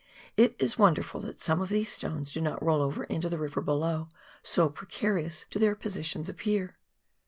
It is wonderful that some of these stones do not roll over into the river below, so precarious do their positions appear.